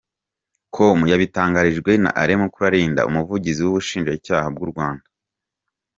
com yabitangarijwe na Alain Mukuralinda; umuvugizi w'ubushinjacyaha bw'u Rwanda.